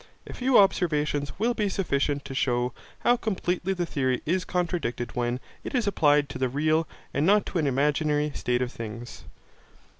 A few observations will be sufficient to shew how completely the theory is contradicted when it is applied to the real, and not to an imaginary, state of things.